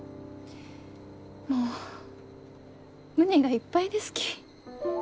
もう胸がいっぱいですき。